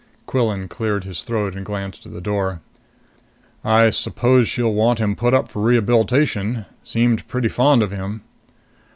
Quillan cleared his throat and glanced at the door. "I suppose she'll want him put up for rehabilitation seemed pretty fond of him."